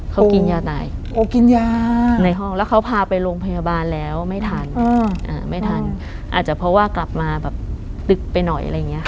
เขากินยาตายโอ้กินยาในห้องแล้วเขาพาไปโรงพยาบาลแล้วไม่ทันไม่ทันอาจจะเพราะว่ากลับมาแบบตึกไปหน่อยอะไรอย่างนี้ค่ะ